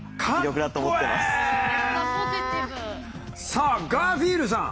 さあガーフィールさん。